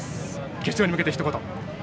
決勝に向けてひと言。